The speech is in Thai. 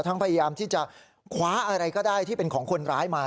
พยายามที่จะคว้าอะไรก็ได้ที่เป็นของคนร้ายมา